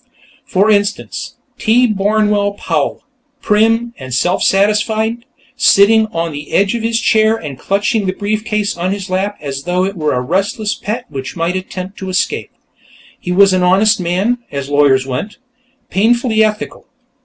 For instance, T. Barnwell Powell, prim and self satisfied, sitting on the edge of his chair and clutching the briefcase on his lap as though it were a restless pet which might attempt to escape. He was an honest man, as lawyers went; painfully ethical.